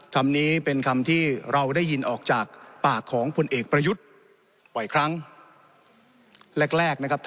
คำนี้เป็นคำที่เราได้ยินออกจากปากของคนเอกประยุทธ์